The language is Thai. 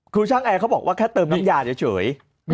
คือช่างแอร์เขาบอกว่าแค่เติมน้ำยาเฉย